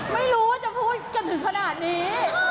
ไม่รู้ว่าจะพูดกันถึงขนาดนี้